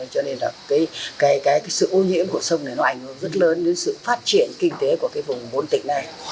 cho nên sự ô nhiễm của sông này ảnh hưởng rất lớn đến sự phát triển kinh tế của vùng bốn tỉnh này